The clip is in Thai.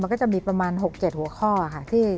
มันก็จะมีประมาณ๖๗หัวข้อค่ะ